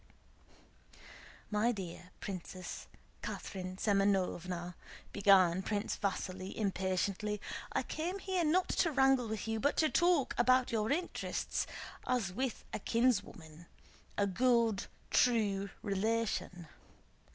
"My dear Princess Catherine Semënovna," began Prince Vasíli impatiently, "I came here not to wrangle with you, but to talk about your interests as with a kinswoman, a good, kind, true relation.